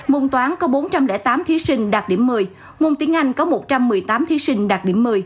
môn toán có bốn trăm linh tám thí sinh đạt điểm một mươi môn tiếng anh có một trăm một mươi tám thí sinh đạt điểm một mươi